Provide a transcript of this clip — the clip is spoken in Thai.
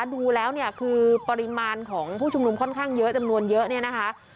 ดูแล้วเนี่ยคือปริมาณของผู้ชุมนุมค่อนข้างเยอะจำนวนเยอะเนี่ยนะคะ